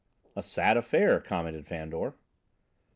"A sad affair," commented Fandor.